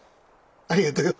ありがとよ。